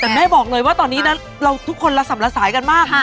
แต่แม่บอกเลยว่าตอนนี้นะเราทุกคนละสับละสายกันมาก